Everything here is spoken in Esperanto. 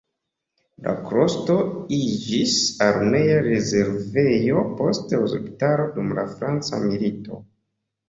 La klostro iĝis armea rezervejo poste hospitalo dum la franca milito.